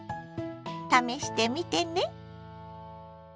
試してみてね。